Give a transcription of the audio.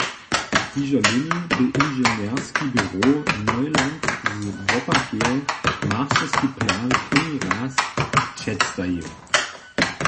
Hižo loni bě inženjerski běrow Neuland z Wopakeje masterski plan prěni raz předstajił.